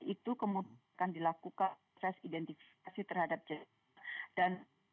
itu kemudian akan dilakukan proses identifikasi terhadap jadwal dan lainnya